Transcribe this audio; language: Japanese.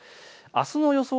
あすの予想